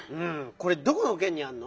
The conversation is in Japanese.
これどこのけんにあんの？